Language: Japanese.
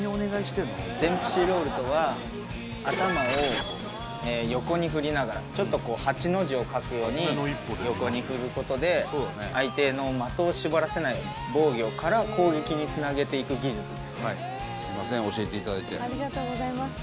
デンプシーロールとは頭を横に振りながらちょっとこう８の字を描くように横に振ることで相手への的を絞らせないように防御から攻撃につなげていく技術ですね